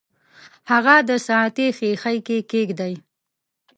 هغه د ساعتي ښيښې کې کیږدئ.